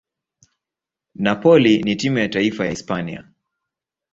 Napoli na timu ya taifa ya Hispania.